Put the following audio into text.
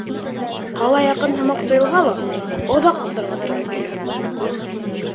Ҡала яҡын һымаҡ тойолһа ла, оҙаҡ атларға тура килә.